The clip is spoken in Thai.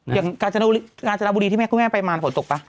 อย่างกาญจนบุรีที่แม่คุณแม่ไปมาฝนตกป่ะ